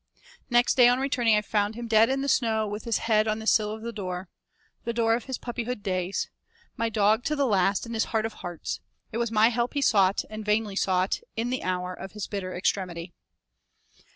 Next day on returning I found him dead in the snow with his head on the sill of the door the door of his puppyhood's days; my dog to the last in his heart of hearts it was my help he sought, and vainly sought, in the hour of his bitter extremity.